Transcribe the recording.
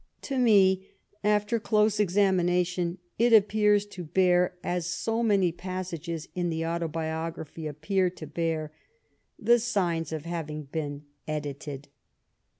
To me, after close examination, it appears to bear, as so many passages in the Autobiography appear to bear, the signs of havinfj been "edited."